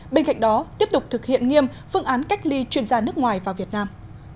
bên cạnh đó tiếp tục thực hiện nghiêm phương án cách ly chuyên gia nước ngoài và việt nam